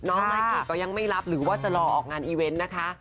มากิก็ยังไม่รับหรือว่าจะรอออกงานอีเวนต์นะคะ